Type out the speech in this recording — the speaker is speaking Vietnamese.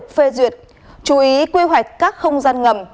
chú ý quy hoạch các không gian ngầm